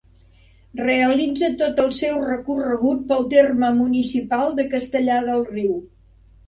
Realitza tot el seu recorregut pel terme municipal de Castellar del Riu.